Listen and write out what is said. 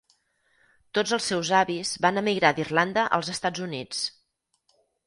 Tots els seus avis van emigrar d'Irlanda als Estats Units.